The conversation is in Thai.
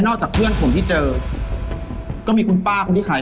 สนุกสนุกสนุกสนุกสนุกสนุก